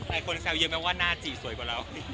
และคนแซวเยอะแม่งว่าหน้าจี่สวยกว่าเรา